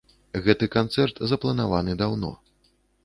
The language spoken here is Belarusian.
Гэты канцэрт запланаваны даўно.